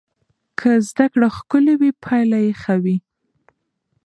که زده کړه ښکلې وي پایله یې ښه وي.